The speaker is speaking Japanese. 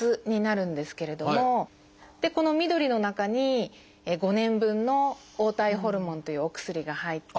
この緑の中に５年分の黄体ホルモンというお薬が入っていて。